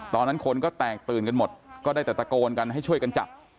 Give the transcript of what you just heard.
ตอนนั้นคนก็แตกตื่นกันหมดก็ได้แต่ตะโกนกันให้ช่วยกันจับ